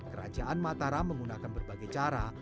kerajaan mataram menggunakan berbagai cara